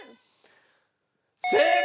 正解！